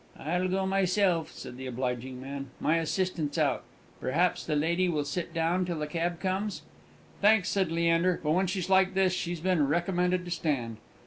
"I'll go myself," said the obliging man; "my assistant's out. Perhaps the lady will sit down till the cab comes?" "Thanks," said Leander; "but when she's like this, she's been recommended to stand."